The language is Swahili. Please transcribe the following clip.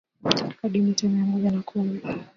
hadi mita mia moja na kumi